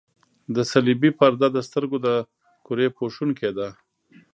د صلبیې پرده د سترګو د کرې پوښوونکې ده.